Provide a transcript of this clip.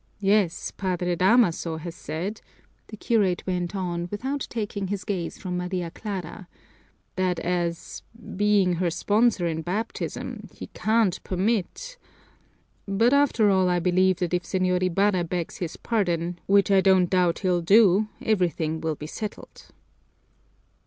"Yes, Padre Damaso has said," the curate went on, without taking his gaze from Maria Clara, "that as being her sponsor in baptism, he can't permit but, after all, I believe that if Señor Ibarra begs his pardon, which I don't doubt he'll do, everything will be settled."